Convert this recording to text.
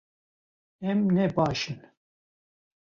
Em ne baş in